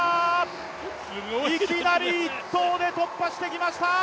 いきなり１投で突破してきました！